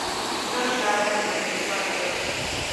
دغه شاعره بنګړیواله ده.